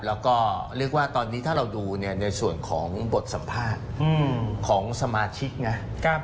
แล้วก็เรียกว่าตอนนี้ถ้าเราดูเนี่ยในส่วนของบทสัมภาษณ์ของสมาชิกนะ